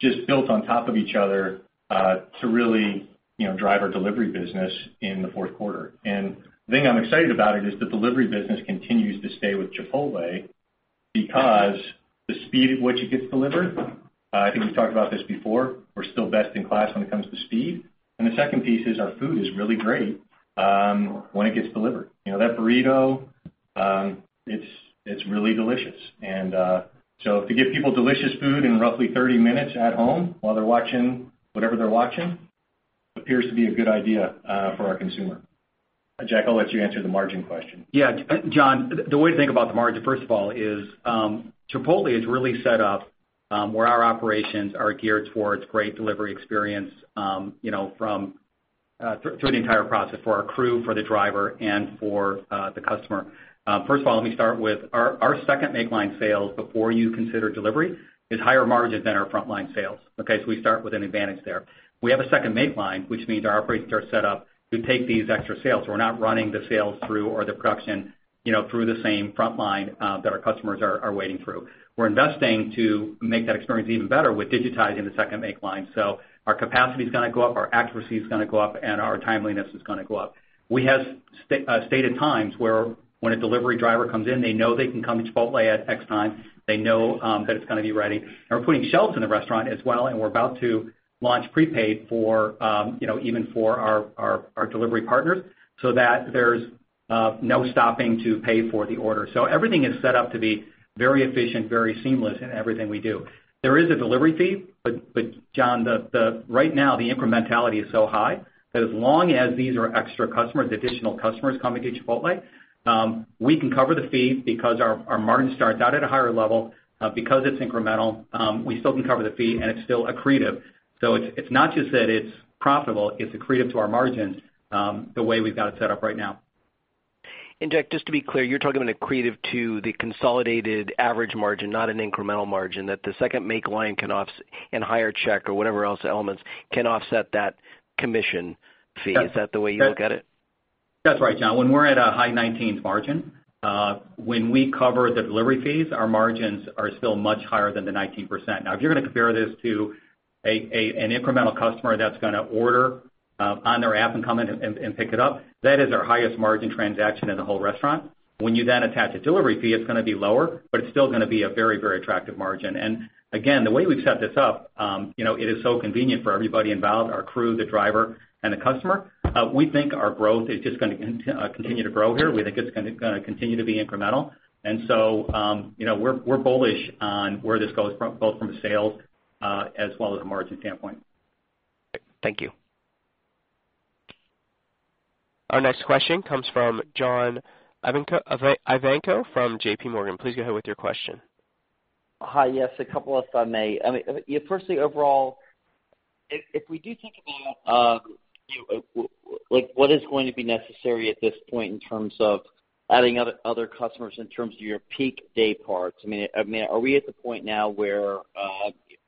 just built on top of each other, to really drive our delivery business in the fourth quarter. The thing I'm excited about it is the delivery business continues to stay with Chipotle because the speed at which it gets delivered, I think we've talked about this before, we're still best in class when it comes to speed. The second piece is our food is really great when it gets delivered. That burrito, it's really delicious. To give people delicious food in roughly 30-minutes at home while they're watching whatever they're watching, appears to be a good idea for our consumer. Jack, I'll let you answer the margin question. Yeah. John, the way to think about the margin, first of all, is Chipotle is really set up, where our operations are geared towards great delivery experience through the entire process for our crew, for the driver, and for the customer. First of all, let me start with our second make-line sales before you consider delivery is higher margin than our front-line sales. Okay? We start with an advantage there. We have a second make-line, which means our operations are set up to take these extra sales. We're not running the sales through or the production through the same front line that our customers are waiting through. We're investing to make that experience even better with digitizing the second make-line. Our capacity's going to go up, our accuracy's going to go up, and our timeliness is going to go up. We have stated times where when a delivery driver comes in, they know they can come to Chipotle at X time. They know that it's going to be ready. We're putting shelves in the restaurant as well, and we're about to launch prepaid even for our delivery partners so that there's no stopping to pay for the order. Everything is set up to be very efficient, very seamless in everything we do. There is a delivery fee, but John, right now the incrementality is so high that as long as these are extra customers, additional customers coming to Chipotle, we can cover the fee because our margin starts out at a higher level. Because it's incremental, we still can cover the fee, and it's still accretive. It's not just that it's profitable, it's accretive to our margins the way we've got it set up right now. Jack, just to be clear, you're talking about accretive to the consolidated average margin, not an incremental margin, that the second make-line can and higher check or whatever else elements, can offset that commission fee. Is that the way you look at it? That's right, John. When we're at a high 19% margin, when we cover the delivery fees, our margins are still much higher than the 19%. If you're going to compare this to an incremental customer that's going to order on their app and come in and pick it up, that is our highest margin transaction in the whole restaurant. When you then attach a delivery fee, it's going to be lower, but it's still going to be a very, very attractive margin. Again, the way we've set this up, it is so convenient for everybody involved, our crew, the driver, and the customer. We think our growth is just going to continue to grow here. We think it's going to continue to be incremental. We're bullish on where this goes, both from a sale as well as a margin standpoint. Thank you. Our next question comes from John Ivankoe from JPMorgan. Please go ahead with your question. Hi. Yes, a couple if I may. Firstly, overall, if we do think about what is going to be necessary at this point in terms of adding other customers in terms of your peak day parts, are we at the point now where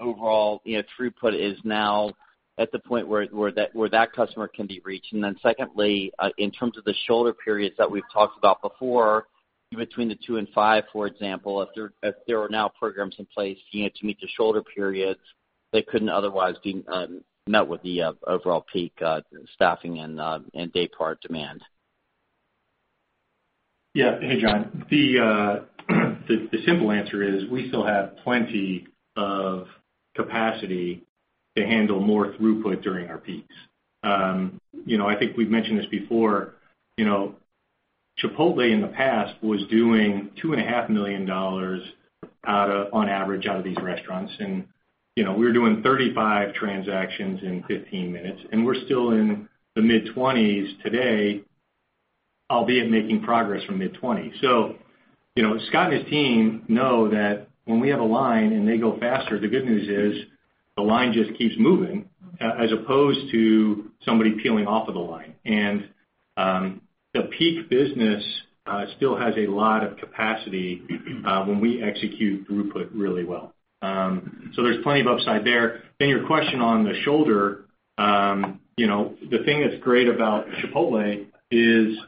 overall throughput is now at the point where that customer can be reached? Secondly, in terms of the shoulder periods that we've talked about before, between the two and five, for example, if there are now programs in place to meet the shoulder periods that couldn't otherwise be met with the overall peak staffing and day part demand. Hey, John. The simple answer is we still have plenty of capacity to handle more throughput during our peaks. I think we've mentioned this before. Chipotle in the past was doing $2.5 million on average out of these restaurants. We were doing 35 transactions in 15-minutes, and we're still in the mid-20s today, albeit making progress from mid-20. Scott and his team know that when we have a line and they go faster, the good news is the line just keeps moving, as opposed to somebody peeling off of the line. The peak business still has a lot of capacity when we execute throughput really well. There's plenty of upside there. Your question on the shoulder. The thing that's great about Chipotle is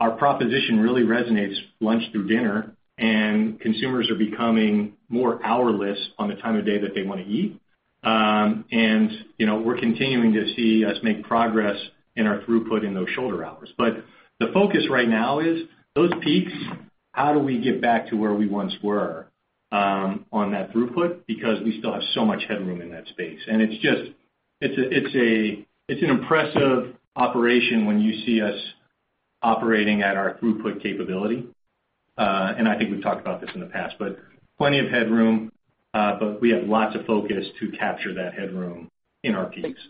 our proposition really resonates lunch through dinner, and consumers are becoming more hourless on the time of day that they want to eat. We're continuing to see us make progress in our throughput in those shoulder hours. The focus right now is those peaks, how do we get back to where we once were on that throughput? Because we still have so much headroom in that space. It's an impressive operation when you see us operating at our throughput capability. I think we've talked about this in the past, but plenty of headroom, but we have lots of focus to capture that headroom in our peaks.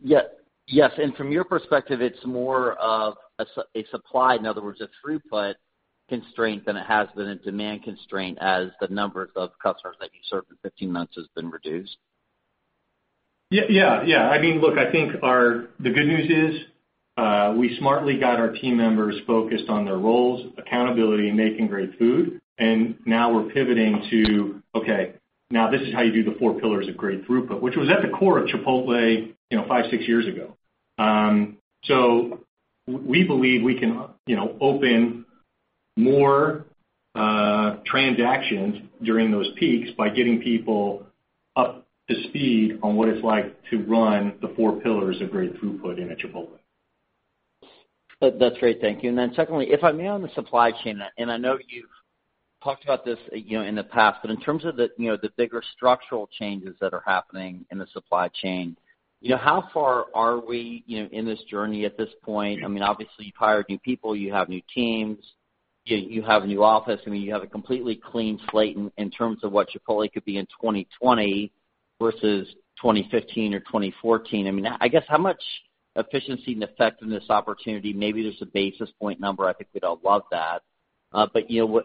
From your perspective, it's more of a supply, in other words, a throughput constraint than it has been a demand constraint as the numbers of customers that you serve in 15-minutes has been reduced. I think the good news is we smartly got our team members focused on their roles, accountability, and making great food. Now we're pivoting to, now this is how you do the four pillars of great throughput, which was at the core of Chipotle five, six years ago. We believe we can open more transactions during those peaks by getting people up to speed on what it's like to run the four pillars of great throughput in a Chipotle. That's great. Thank you. Secondly, if I may, on the supply chain, I know you've talked about this in the past, but in terms of the bigger structural changes that are happening in the supply chain, how far are we in this journey at this point? Obviously, you've hired new people, you have new teams, you have a new office. You have a completely clean slate in terms of what Chipotle could be in 2020 versus 2015 or 2014. I guess how much efficiency and effectiveness opportunity, maybe there's a basis point number, I think we'd all love that.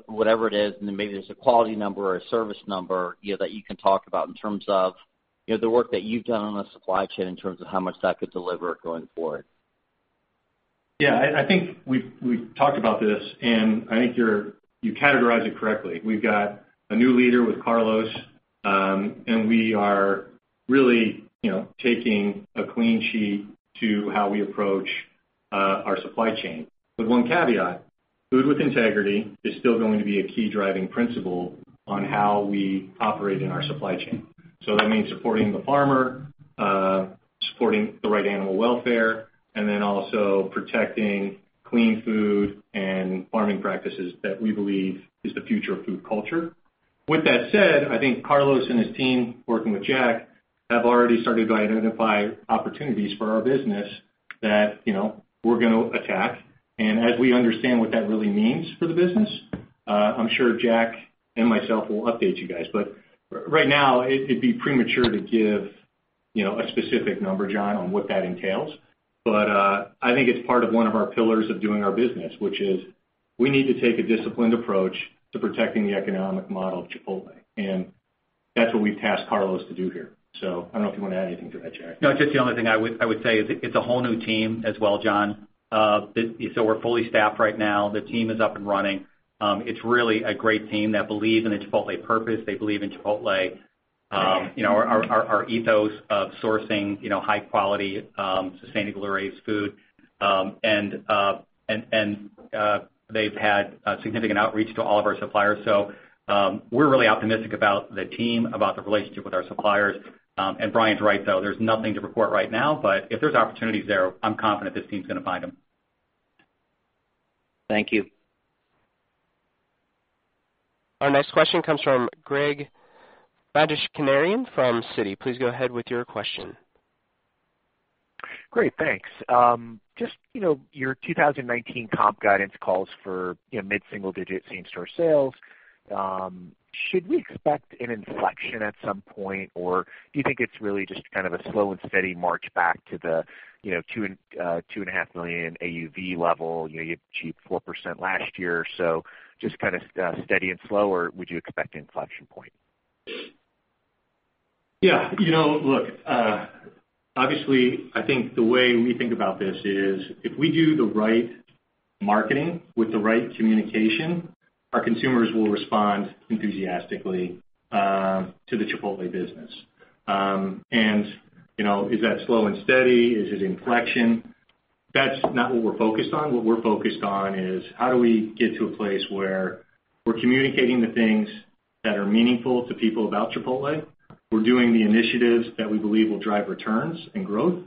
Whatever it is, then maybe there's a quality number or a service number, that you can talk about in terms of the work that you've done on the supply chain in terms of how much that could deliver going forward. Yeah. I think we've talked about this, I think you categorized it correctly. We've got a new leader with Carlos, we are really taking a clean sheet to how we approach our supply chain. With one caveat, food with integrity is still going to be a key driving principle on how we operate in our supply chain. That means supporting the farmer, supporting the right animal welfare, then also protecting clean food and farming practices that we believe is the future of food culture. With that said, I think Carlos and his team, working with Jack, have already started to identify opportunities for our business that we're going to attack. As we understand what that really means for the business, I'm sure Jack and myself will update you guys. Right now, it'd be premature to give a specific number, John, on what that entails. I think it's part of one of our pillars of doing our business, which is we need to take a disciplined approach to protecting the economic model of Chipotle. That's what we've tasked Carlos to do here. I don't know if you want to add anything to that, Jack. No, just the only thing I would say is it's a whole new team as well, John. We're fully staffed right now. The team is up and running. It's really a great team that believes in the Chipotle purpose. They believe in Chipotle, our ethos of sourcing high quality, sustainably raised food. They've had significant outreach to all of our suppliers. We're really optimistic about the team, about the relationship with our suppliers. Brian's right, though, there's nothing to report right now, if there's opportunities there, I'm confident this team's going to find them. Thank you. Our next question comes from Greg Badishkanian from Citi. Please go ahead with your question. Great, thanks. Just, your 2019 comp guidance calls for mid-single digit same-store sales. Should we expect an inflection at some point, or do you think it's really just kind of a slow and steady march back to the $2.5 million AUV level? You achieved 4% last year, so just kind of steady and slow, or would you expect inflection point? Yeah. Look, obviously, I think the way we think about this is, if we do the right marketing with the right communication, our consumers will respond enthusiastically to the Chipotle business. Is that slow and steady? Is it inflection? That's not what we're focused on. What we're focused on is how do we get to a place where we're communicating the things that are meaningful to people about Chipotle, we're doing the initiatives that we believe will drive returns and growth,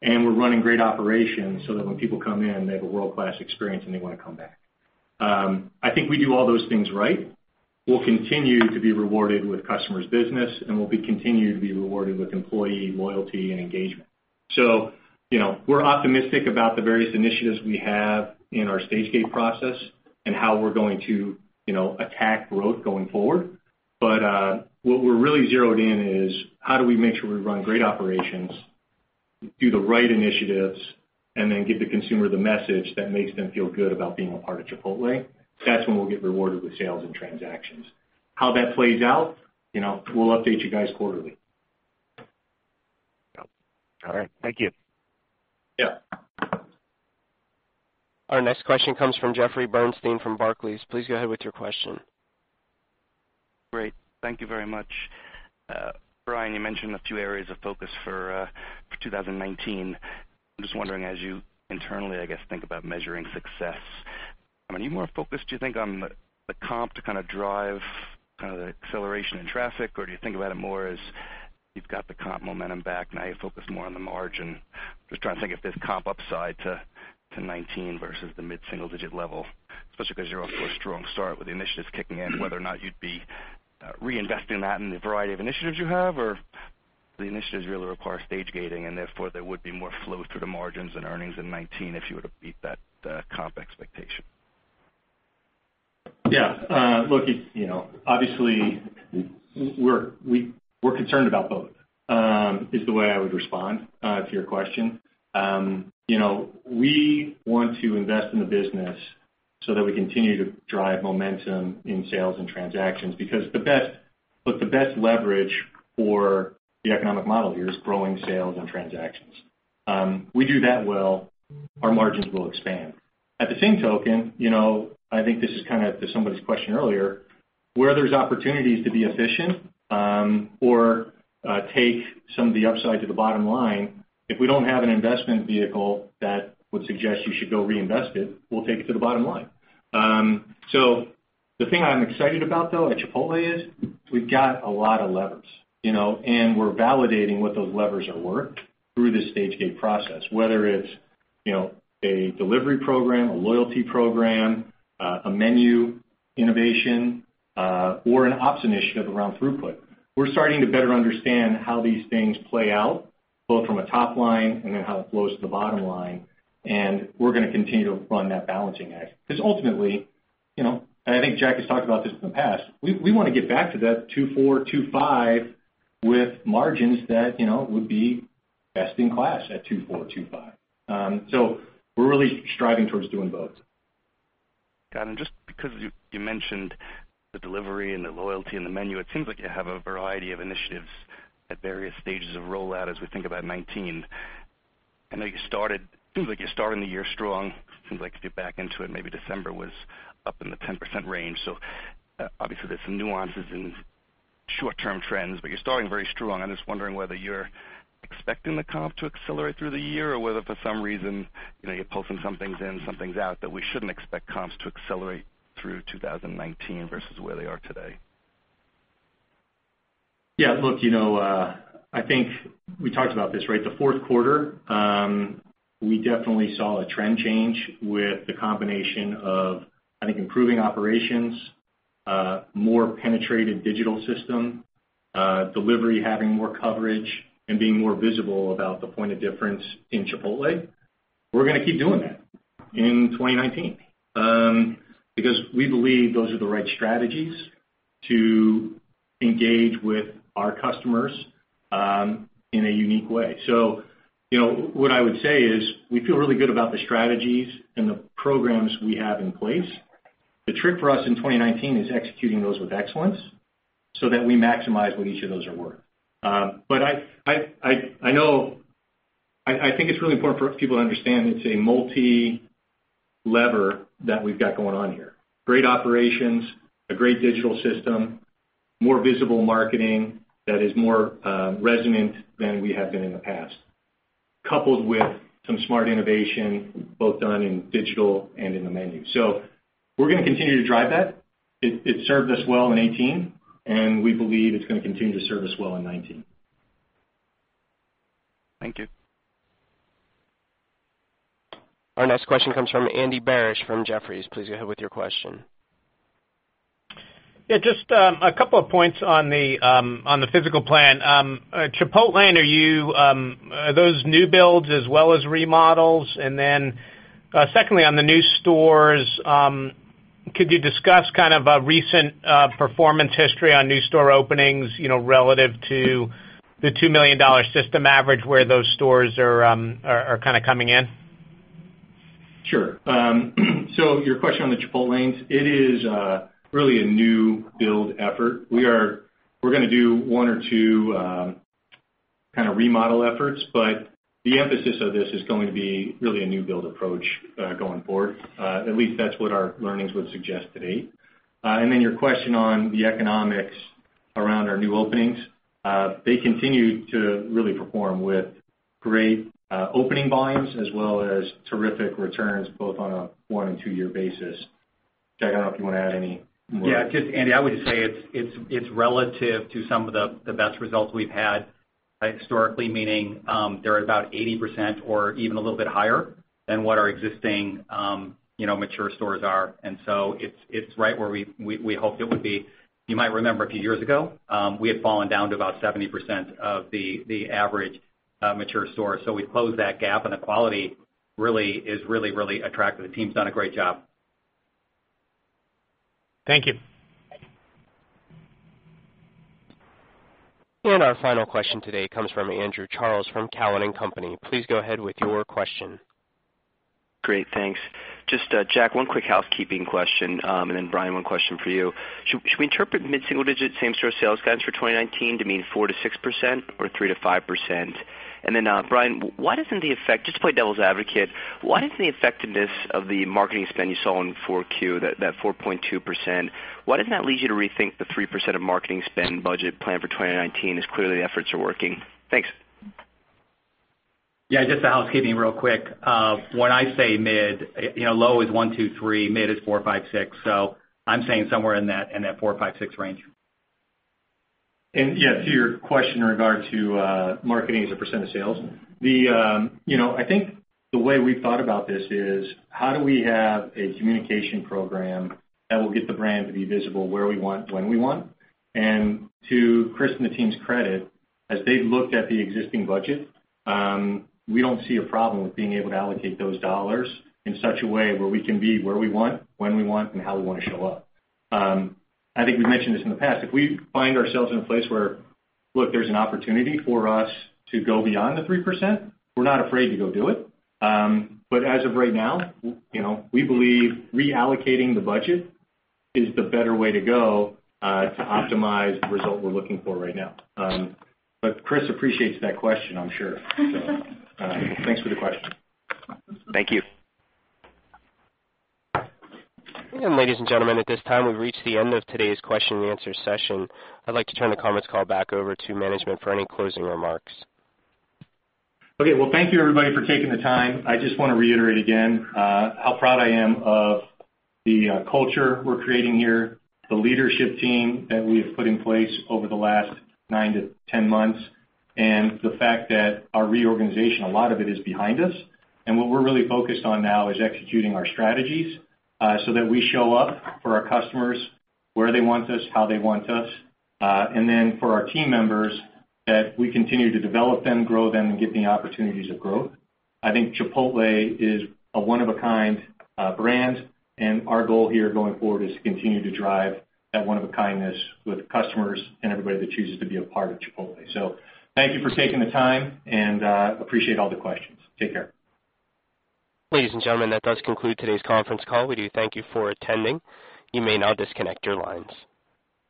and we're running great operations so that when people come in, they have a world-class experience, and they want to come back. I think if we do all those things right, we'll continue to be rewarded with customers' business, and we'll be continued to be rewarded with employee loyalty and engagement. We're optimistic about the various initiatives we have in our stage gate process and how we're going to attack growth going forward. What we're really zeroed in is how do we make sure we run great operations, do the right initiatives, and give the consumer the message that makes them feel good about being a part of Chipotle. That's when we'll get rewarded with sales and transactions. How that plays out, we'll update you guys quarterly. All right. Thank you. Yeah. Our next question comes from Jeffrey Bernstein from Barclays. Please go ahead with your question. Great. Thank you very much. Brian, you mentioned a few areas of focus for 2019. I'm just wondering, as you internally, I guess, think about measuring success, I mean, are you more focused, do you think, on the comp to kind of drive the acceleration in traffic? Or do you think about it more as you've got the comp momentum back, now you focus more on the margin? Just trying to think if there's comp upside to 2019 versus the mid-single digit level, especially because you're off to a strong start with the initiatives kicking in, whether or not you'd be reinvesting that in the variety of initiatives you have, or do the initiatives really require stage gating, and therefore, there would be more flow through to margins and earnings in 2019 if you were to beat that comp expectation. Yeah. Look, obviously, we're concerned about both, is the way I would respond to your question. We want to invest in the business so that we continue to drive momentum in sales and transactions, because look, the best leverage for the economic model here is growing sales and transactions. We do that well, our margins will expand. At the same token, I think this is kind of to somebody's question earlier, where there's opportunities to be efficient or take some of the upside to the bottom line, if we don't have an investment vehicle that would suggest you should go reinvest it, we'll take it to the bottom line. The thing I'm excited about, though, at Chipotle is we've got a lot of levers. We're validating what those levers are worth through the stage gate process, whether it's a delivery program, a loyalty program, a menu innovation, or an ops initiative around throughput. We're starting to better understand how these things play out, both from a top line and then how it flows to the bottom line, and we're going to continue to run that balancing act. Ultimately, and I think Jack has talked about this in the past, we want to get back to that $2.4 million-$2.5 million with margins that would be best in class at $2.4 million-$2.5 million. We're really striving towards doing both. Got it. Just because you mentioned the delivery and the loyalty and the menu, it seems like you have a variety of initiatives at various stages of rollout as we think about 2019. I know it seems like you're starting the year strong. It seems like if you back into it, maybe December was up in the 10% range. Obviously there's some nuances in short-term trends, but you're starting very strong. I'm just wondering whether you're expecting the comp to accelerate through the year, or whether for some reason, you're posting some things in, some things out, that we shouldn't expect comps to accelerate through 2019 versus where they are today. Yeah, look, I think we talked about this, right? The fourth quarter, we definitely saw a trend change with the combination of, I think, improving operations, a more penetrated digital system, delivery having more coverage, and being more visible about the point of difference in Chipotle. We're going to keep doing that in 2019. We believe those are the right strategies to engage with our customers in a unique way. What I would say is, we feel really good about the strategies and the programs we have in place. The trick for us in 2019 is executing those with excellence so that we maximize what each of those are worth. I think it's really important for people to understand it's a multi-lever that we've got going on here. Great operations, a great digital system, more visible marketing that is more resonant than we have been in the past, coupled with some smart innovation, both done in digital and in the menu. We're going to continue to drive that. It served us well in 2018, and we believe it's going to continue to serve us well in 2019. Thank you. Our next question comes from Andy Barish from Jefferies. Please go ahead with your question. Just a couple of points on the physical plan. Chipotlane, are those new builds as well as remodels? Secondly, on the new stores, could you discuss recent performance history on new store openings, relative to the $2 million system average where those stores are coming in? Sure. Your question on the Chipotlanes, it is really a new build effort. We're going to do one or two kind of remodel efforts, but the emphasis of this is going to be really a new build approach going forward. At least that's what our learnings would suggest to date. Your question on the economics around our new openings, they continue to really perform with great opening volumes as well as terrific returns both on a one- and two-year basis. Jack, I don't know if you want to add any more. Andy, I would just say it's relative to some of the best results we've had historically. Meaning, they're about 80% or even a little bit higher than what our existing mature stores are. It's right where we hoped it would be. You might remember a few years ago, we had fallen down to about 70% of the average mature store. We've closed that gap, and the quality really is attractive. The team's done a great job. Thank you. Our final question today comes from Andrew Charles from Cowen and Company. Please go ahead with your question. Great. Thanks. Jack, one quick housekeeping question, and then Brian, one question for you. Should we interpret mid-single digit same-store sales guidance for 2019 to mean 4%-6% or 3%-5%? Brian, why doesn't the effect, just to play devil's advocate, why doesn't the effectiveness of the marketing spend you saw in Q4, that 4.2%, why doesn't that lead you to rethink the 3% of marketing spend budget plan for 2019, as clearly efforts are working? Thanks. Just the housekeeping real quick. When I say mid, low is one, two, three, mid is four, five, six. I'm saying somewhere in that four, five, six range. To your question in regard to marketing as a percent of sales, I think the way we've thought about this is, how do we have a communication program that will get the brand to be visible where we want, when we want? To Chris and the team's credit, as they've looked at the existing budget, we don't see a problem with being able to allocate those dollars in such a way where we can be where we want, when we want, and how we want to show up. I think we've mentioned this in the past. If we find ourselves in a place where, look, there's an opportunity for us to go beyond the 3%, we're not afraid to go do it. As of right now, we believe reallocating the budget is the better way to go to optimize the result we're looking for right now. Chris appreciates that question, I'm sure. Thanks for the question. Thank you. Ladies and gentlemen, at this time we've reached the end of today's question-and-answer session. I'd like to turn the conference call back over to management for any closing remarks. Well, thank you everybody for taking the time. I just want to reiterate again, how proud I am of the culture we're creating here, the leadership team that we have put in place over the last 9-10 months, and the fact that our reorganization, a lot of it is behind us. What we're really focused on now is executing our strategies, so that we show up for our customers, where they want us, how they want us. For our team members, that we continue to develop them, grow them, and give the opportunities of growth. I think Chipotle is a one-of-a-kind brand, and our goal here going forward is to continue to drive that one of a kindness with customers and everybody that chooses to be a part of Chipotle. Thank you for taking the time and appreciate all the questions. Take care. Ladies and gentlemen, that does conclude today's conference call. We do thank you for attending. You may now disconnect your lines.